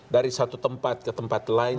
dari satu tempat ke tempat lain